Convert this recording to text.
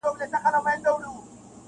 د اګسټ د میاشتي پر دیارلسمه -